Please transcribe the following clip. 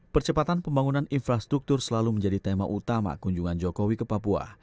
percepatan pembangunan infrastruktur selalu menjadi tema utama kunjungan jokowi ke papua